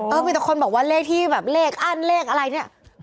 เออมีแต่คนบอกว่าเลขที่แบบเลขอันอะไรอย่างนี้